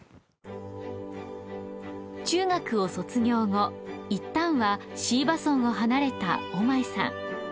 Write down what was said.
中学を卒業後いったんは椎葉村を離れた尾前さん。